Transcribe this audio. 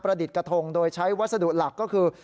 ดิษฐ์กระทงโดยใช้วัสดุหลักก็คือ